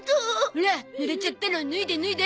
ほら濡れちゃったの脱いで脱いで。